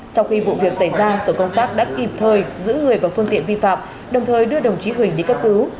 sau khi vụ việc xảy ra tổ công tác đã kịp thời giữ người vào phương tiện vi phạm đồng thời đưa đồng chí huỳnh đi cấp cứu